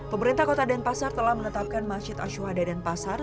pemerintah kota denpasar telah menetapkan masjid ashuhada denpasar